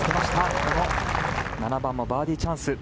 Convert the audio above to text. ７番もバーディーチャンス。